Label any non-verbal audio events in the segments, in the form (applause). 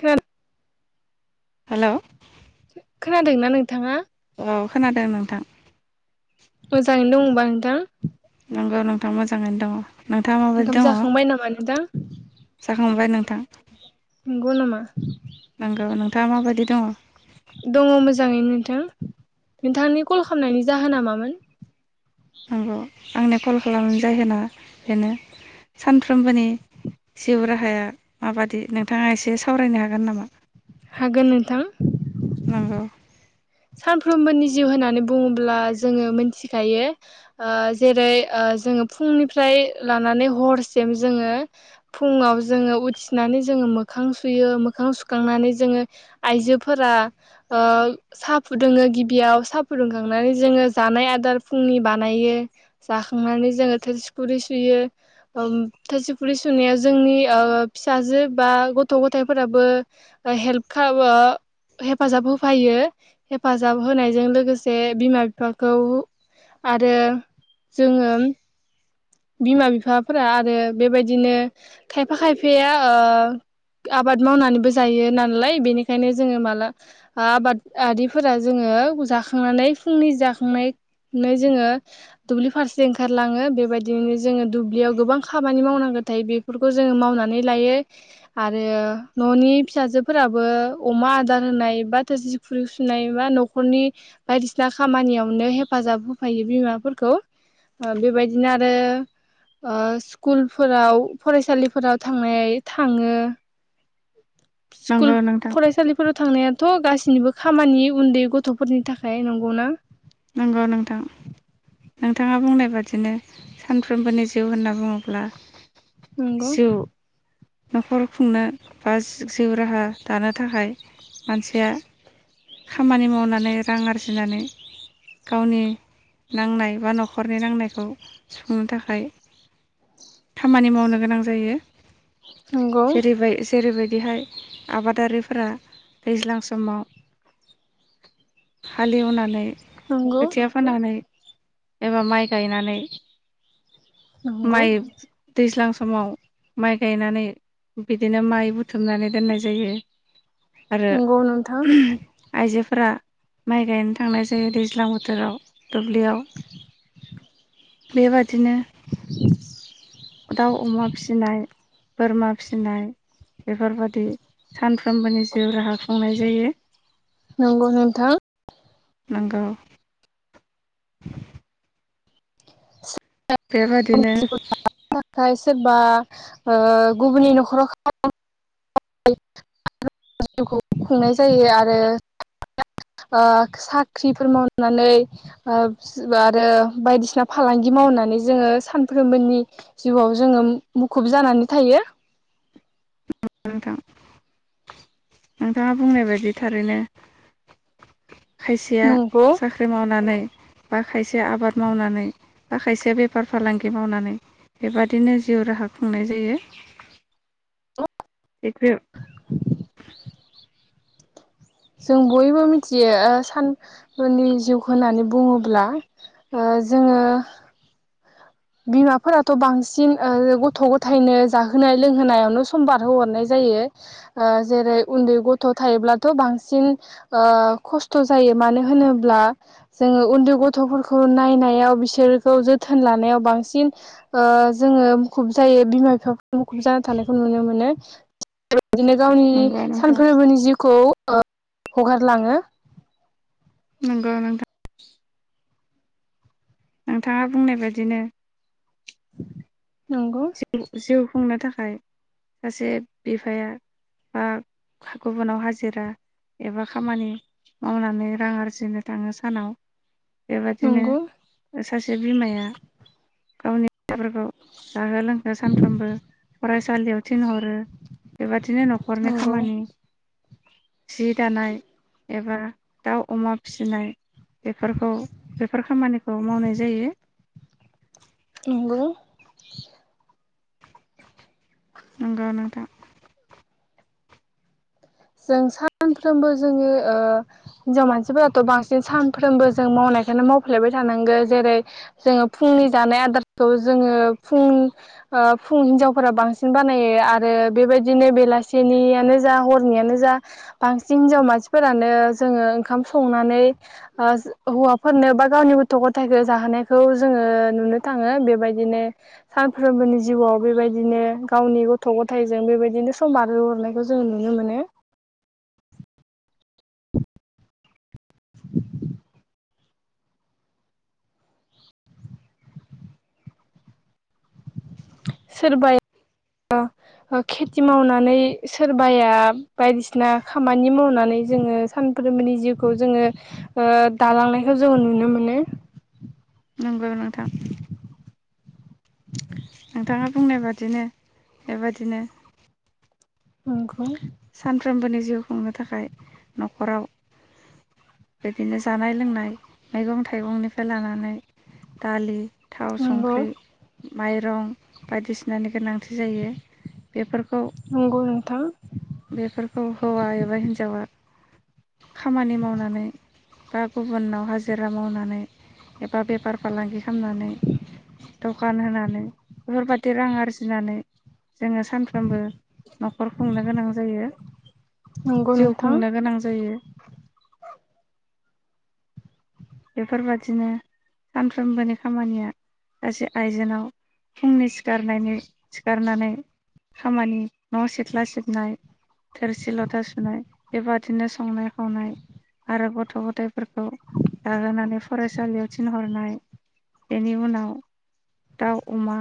खार हेल' खोनादों न नोंथाङा औ खोनादों नोंथां मोजाङैनो दंबा नोंथां नंगौ नोंथां मोजाङैनो दङ नोंथाङा माबायदि ओंखाम दङ जाखांबाय नामा नोंथां जाखांबाय नोंथां नंगौ नामा नंगौ नोंथाङा माबायदि दङ दङ मोजाङै नोंथां नोंथांनि कल खालामनायनि जाहोना मामोन नंगौ आंनि कल खालामनाय जाहोना बेनो सानफ्रोमबोनि जिउ राहाया माबादि नोंथाङा एसे सावरायनो हागोन नामा हागोन नोंथां नंगौ सानफ्रोमबोनि जिउ होननानै बुङोब्ला जोङो मोनथिखायो जेरै जोङो फुंनिफ्राय लानानै हरसिम जोङो फुङाव जोङो उथिनानै जोङो मोखां सुयो मोखां सुखांनानै जोङो आइजोफोरा साहा फुदुङो गिबियाव साहा फुदुंखांनानै जोङो जानाय आदार फुंनि बानायो जाखांनानै जोङो थोरसि खुरि सुयो थोरसि खुरै सुनायाव जोंनि फिसाजो बा गथ' गथायफोराबो हेल्प हेफाजाब होफायो हेफाजाब होनायजों लोगोसे बिमा बिफाखौ आरो जोङो बिमा बिफाफोरा आरो बेबायदिनो खायफा खायफाया ओ आबाद मावनानैबो जायो नालाय बेनिखायनो जोङो माला आबादारिफोरा जोङो जाखांनानै फुंनि जाखांनानैनानै जोङो दुब्लि फारसे ओंखारलाङो बेबायदि बिदिनो जोङो दुब्लियाव गोबां खामानि मावनांगौ थायो बेफोरखौ जोङो मावनानै लायो आरो न'नि फिसाजोफोराबो अमा आदार होनाय बा थोरसि खुरै सुनाय बा न'खरनि बायदिसिना खामानियावनो हेफाजाब होफैायो बिमाफोरखौ बेबायदिनो आरो आरो स्कुलफोराव फरायसालिफोराव थांनाय थाङो स्कुल नंगौ नोंथां फरायसालिफोराव थांनाया थ' गाससिनिबो खामानि उन्दै गथ'फोरनि थाखाय नंगौना नंगौ नोंथां नोंथाङा बुंनाय बादिनो सानफ्रोमबोनि जिउ होनना बुङोब्ला नंगौ जिउ न'खर खुंनो बा जिउ राहा दानो थाखाय मानसिया खामानि मावनानै रां आरजिनानै गावनि नांनाय बा न'खरनि नांनायखौ सुफुंनो थाखाय खामानि मावनो गोनां जायो नंगौ जेरैबाय जेरैबायदिहाय आबादारिफोरा दैज्लां समाव हालेवनानै नंगौ खोथिया फोनानै एबा माइ गायनानै नंगौ माइ दैज्लां समाव माइ गायनानै बिदिनो माइ बुथुमनानै दोननाय जायो आरो नंगौ नोंथां आइजोफोरा माइ गायनो थांनाय जायो दैज्लां बोथोराव दुब्लियाव बेबादि बिदिनो दाउ अमा फिसिनाय बोरमा फिनाय बेफोरबादि सानफ्रोमबोनि जिउ राहा खुंनाय जायो नंगौ नोंथां नंगौ बेबायादिनो सोरनि जिउखौ थाखाय सोरबा ओ गुबुननि न'खराव खामानि माव जिउखौ खुंनाय जायो आरो साख्रिफोर मावनानै आरो बायदिसिना फालांगि मावनानै जोङो सानफ्रोमबोनि जिउआव जोङो मुखुब जानानै थायो नोंथां नोंथाङा बुंनाय बायदि थारैनो खायसेया नंगौ साख्रि मावनानै बा खायसे आबाद मावनानै बा खायसे बेफार फालांगि मावनानै बेबादिनो जिउ राहा खुंनाय जायो (unintelligible) जों बयबो मिथियो साननि जिउखौ होननानै बुङोब्ला जोङो बिमाफोराथ' बांसिन गथ' गथायनो जाहोनाय लोंहोनायावनो सम बार होहरनाय जायो जेरै उन्दै गथ' थायोब्लाथ' बांसिन खस्थ' जायो मानो होनोब्ला जोङो उन्दै गथ'फोरखौ नायनायाव बिसोरखौ जोथोन लानायाव बांसिन जोङो मुखुब जायो बिमा बिफाफोरा मुखुब जानानै थानायखौ नुनो मोनो बिदिनो गावनि नंगौ सान नोंथां फोरबोनि जिउखौ ओ हगारलाङो नंगौ नोंथां नोंथाङा बुंनाय बायदिनो नंगौ (unintelligible) खुंनो थाखाय सासे बिफाया बा गुबुनाव हाजिरा एबा खामानि मावनानै रां आरजिनो थाङो सानाव बेबादिनो नंगौ सासे बिमाया गावनि बेफोरखौ जाहो लोंहो सानफ्रोमबो फरायसालियाव थिनहरो बेबा बिदिनो न'खरनि नंगौ खामानि सि दानाय एबा दाउ अमा फिसिनाय बेफोरखौ बेफोर खामानिखौ मावनाय जायो नंगौ नंगौ नोंथां जों सानफ्रोमबो जोङो हिनजाव मानसिफोराथ' बांसिन सानफ्रोमबो जों मावनायखौनो मावफ्लायबाय थानांगौ जेरै जोङो फुंनि जानाय आदारखौ जोङो फुं फुं हिनजावफोरा बांसिन बानायो आरो बेबायदिनो बेलासिनियानो जा हर नियानो जा बांसिन हिनजाव मानसिफोरानो जोङो ओंखाम संनानै हौवाफोरनो बा गावनि गथ' गथायखौ जाहोनायखौ जोङो नुनो थाङो बेबायदिनो सानफ्रोमबोनि जिउआव बेबायदिनो गावनि गथ' गथायजों बेबायदिनो सम बारहोहरनायखौ जोङो नु नो मोनो सोरबाया खेथि मावनानै सोरबाया बायदिसिना खामानि मावनानै जोङो सानफ्रोमबोनि जिउखौ जोङो दालांनायखौ जोङो नुनो मोनो नंगौ नोंथां (inaudible) नोंथाङा बुंनाय बादिनो बेबादिनो नंगौ सानफ्रोमबोनि जिउ खुंनो थाखाय न'खराव बिदिनो जानाय लोंनाय मैगं थाइगंनिफ्राय लानानै दालि थाव नंगौ संख्रि माइरं बायदिसिनानि गोनां नंगौ नोंथां बेफोरखौ हौवा एबा हिनजावा खामानि मावनानै बा गुबुनाव हाजिरा मावनानै एबा बेफार फालांगि खालामनानै दखान होनानै बेफोरबाददि रां आरजिनानै जोङो सानफ्रोमबो न'खर खुंनो गोनां जायो नंगौ जिउ नोंथां खुंनो गोनां जायो। बेफोरबादिनो सानफ्रोमबोनि खामानिया गासै आइजोनाव फुंनि सिखारनायनि सिखारनानै खामानि न' सिथ्ला सिबनाय थोरसि लथा सुनाय बेबादिनो संनाय खावनाय आरो गथ' गथायाइफोरखौ जाहोनानै फरायसालियाव थिनहरनाय बेनि उनाव दाउ अमा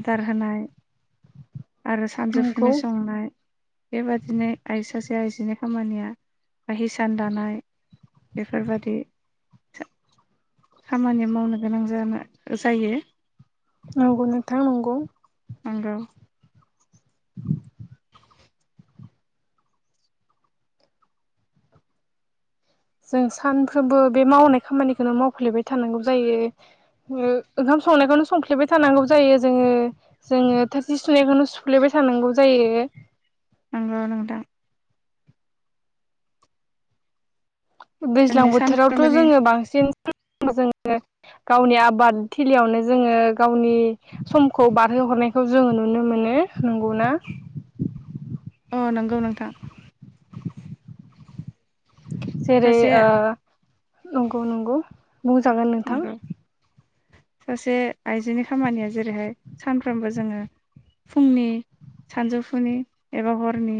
आदार होनाय आरो नंगौ सानजौफुनि संनाय बेबादिनो आइ सासे बे आइजोनि खामानिया बा हिसान दानाय बेफोरबायदि खामानि मावनो गोनां जानो जायो नंगौ नोंथां नंगौ नंगौ (inaudible) जों सानफ्रोमबो बे मावनाय खामानिखौनो मावफ्लेबाय थानांगौ जायो ओंखाम संनायखौनो संफ्लेबाय थानांगौ जायो जोङो जोङो थोरसि सुनायखौनो सुफ्लेबाय थानांगौ जायो नोंगौ नोंटां। दैज्लां जोंनि बोथोरावथ' सानफ्रोमबोनि जोंङो बांसिन। जोंङो गावनि आबाद थिलियावनो जोंङो गावनि समखौ बारहोहरनायखौ जोंङो नुनो मोनो नंगौना। नोंगौ नोंथां। जेरै सासे ओ। नंगौ नंगौ। बुंजागोन नोंथां। नंगौ सासे आइजोनि खामानिया जेरैहाय सानफ्रोमबो जोंङो फुंनि सानजौफुनि एबा हरनि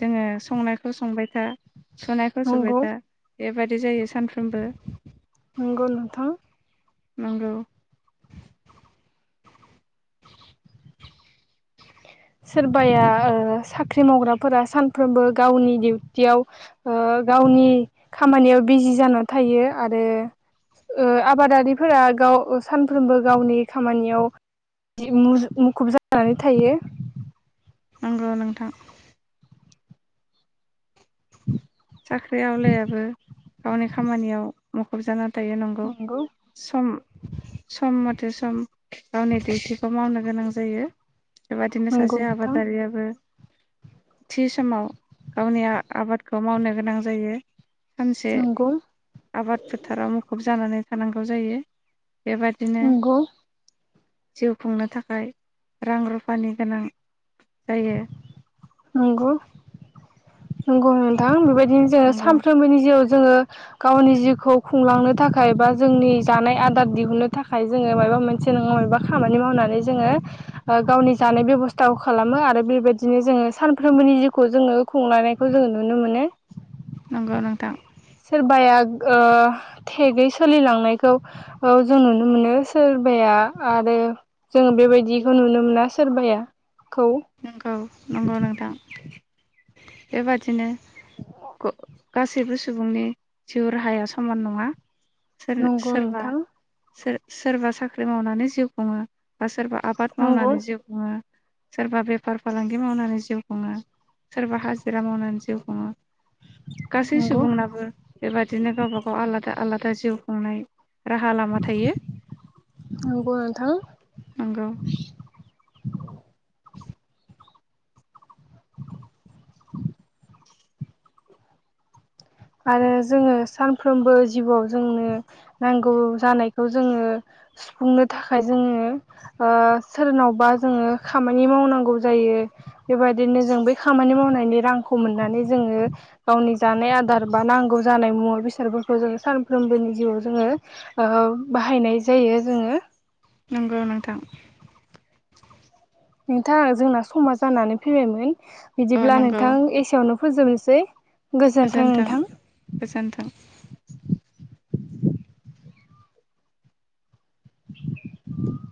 जोङो संनायखौ संबाय था। सुनायखौ नंगौ सुबायथा। बेबायदि जायो सानफ्रोमबो। नंगौ नोंथां। नोंगौ। (inaudible) सोरबाया ओ साख्रि मावग्राफोरा सानफ्रोमबो गावनि डिउटियाव ओ गावनि खामानियाव बिजि जाना थायो आरो ओ आबादारिफोरा गाव ओ सानफ्रोमबो गावनि खामानियाव दि मुज मुखुब जानानै। थायो। नंगौ नोंथां। साख्रि आवलायाबो गावनि खामानियाव मुखुब जानान। दायो नंगौ सम। सम मथे सम गावनि डिउथिखौ मावनो गोनां जायो। बेबादिनो नंगौ सासे नोंथां आबादारियाबो। थि समाव गावनि आ आबादखौ मावनो। गोनां जायो। सानसे नंगौ आबाद फोथाराव मुखुब जा। जानानै थानांगौ जायो। बेबादिनो। नंगौ जिउ खुंनो थाखाय रां रुफानि गोनां जायो। नंगो। नंगौनोंथां बेबायद। बिदि जों नंगौ सानफ्रोमबोनि जिउआवज। जोङो गावनि जिउखौ खुंलांनो थाखाय बा जोंनि जानाय आदार दिहुननो थाखाय जोङो माबा मोनसे नङा माबा खामानि मावनानै जोङो ओ गावनि जानाय बेब'स्थाखौ खालामो आरो बेबायदिनो जोङो सानफ्रोमबोनि जिउखौ जोङो। संलानायखौ जोंङो नुनो मोनो। नंगौ नोंथां। सोरबाया ओ थेगै सोलिलांनायखौ औ जों नुनो मोनो सोरबाया आरो जों बेबायदिखो नुनो मोना सोरबाया। खौ नोंगौ नंगौ नोंथां। बेबादिनो ग-गासैबो सुबुंनि जिउ राहाया समान नङा। सोर नंगौ सोरबा नोंथां सोर। सोरबा साख्रि मावनानै जिउ खुङो बा सोरबा। आबाद नंगौ मावनानै जिउ खुंङो। सोरबा बेफार फालांगि मावनानै जिउ खुङो सोरबा हाजिरा मावनानै जिउ खुङो गासै नंगौ सुबुंनाबो बेबायदिनो गावबा गाव आलादा आलादा खोथा जिउ खुंनाय राहा लामा थायो नंगौ नोंथां नंगौ (inaudible) आरो जोङो सानफ्रोमबो जिउआव जोंनो नांगौ जानायखौ जोङो सुफुंनो थाखाय जोङो ओ सोरनावबा जोङो खामानि मावनांगौ जायो बेबायदिनो जों बै खामानि मावनायनि रांखौ मोननानै जोङो गावनि जानाय आदार बा नांगौ जानाय मुवा- बेसादफोरखौ जोङो सानफ्रोमबोनि जिउआव जोङो ओ बाहायनाय जायो जोङो नंगौ नोंथां नोंथां जोंना समा जानानै फैबायमोन अ बिदिब्ला नोंथां एसेयावनो फोजोबनोसै गोजोन्थों गोजोनथों नोंथां गोजोनथों। (inaudible)